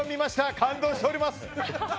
感動しております。